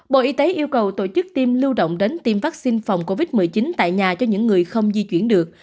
bộ y tế yêu cầu tổ chức tiêm lưu động đến tiêm vaccine phòng covid một mươi chín tại nhà cho những người không di chuyển được